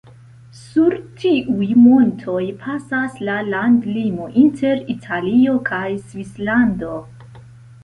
Sur tiuj montoj pasas la landlimo inter Italio kaj Svislando.